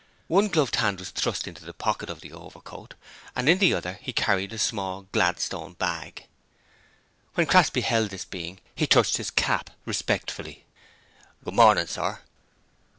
One gloved hand was thrust into the pocket of the overcoat and in the other he carried a small Gladstone bag. When Crass beheld this being, he touched his cap respectfully. 'Good morning, sir!'